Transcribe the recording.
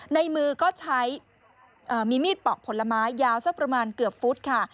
ในมือก็ใช้มีมีดปอกผลไม้ยาวสักประมาณเกือบฟุตค่ะ